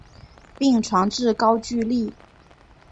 并传至高句丽。